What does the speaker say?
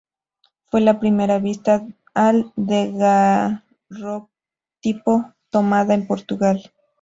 Fue la primera vista al daguerrotipo tomada en Portugal.